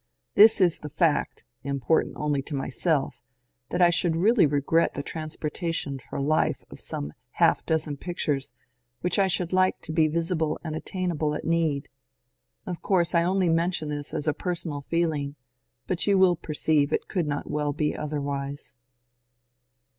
This is the fact (important only to myself) that I should really regret the transportation for life of some half dozen pictures which I should like to be visible and at tainable at need. Of course I only mention this as a personal feeling, but you will perceive it could not well be otherwise.